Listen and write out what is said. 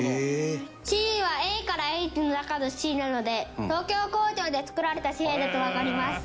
「Ｃ」は「Ａ」から「Ｈ」の中の「Ｃ」なので東京工場で作られた紙幣だとわかります。